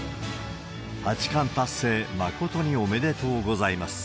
八冠達成、誠におめでとうございます。